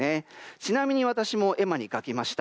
ちなみに私も絵馬に書きました。